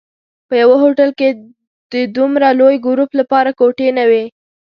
په یوه هوټل کې د دومره لوی ګروپ لپاره کوټې نه وې.